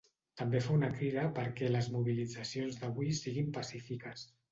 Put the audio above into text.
També fa una crida perquè les mobilitzacions d’avui siguin pacífiques.